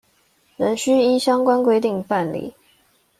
仍須依相關規定辦理